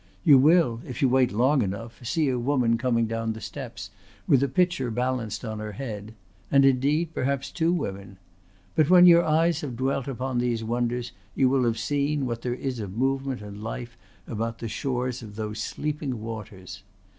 You will, if you wait long enough, see a woman coming down the steps with a pitcher balanced on her head; and indeed perhaps two women. But when your eyes have dwelt upon these wonders you will have seen what there is of movement and life about the shores of those sleeping waters.